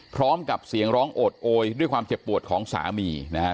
พร้อมกับเสียงร้องโอดโอยด้วยความเจ็บปวดของสามีนะฮะ